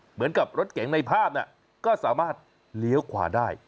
เหมือนกับรถเก๋งในภาพก็สามารถเลี้ยวขวาได้